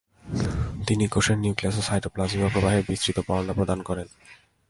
তিনি কোষের নিউক্লিয়াস ও সাইটোপ্লাজমীয় প্রবাহের বিস্তৃত বর্ণনা প্রদান করেন।